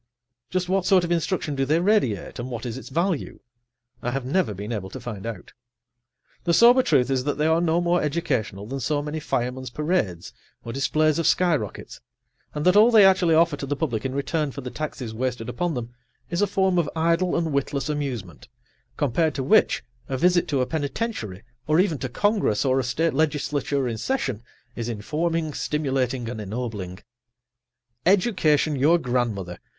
Just what sort of instruction do they radiate, and what is its value? I have never been able to find out. The sober truth is that they are no more educational than so many firemen's parades or displays of sky [Pg 81]rockets, and that all they actually offer to the public in return for the taxes wasted upon them is a form of idle and witless amusement, compared to which a visit to a penitentiary, or even to Congress or a state legislature in session, is informing, stimulating and ennobling. Education your grandmother!